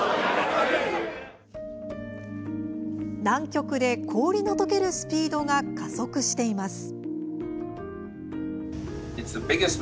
南極で氷のとけるスピードが加速しています。